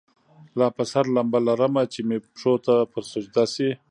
لا پر سر لمبه لرمه چي مي پښو ته پر سجده سي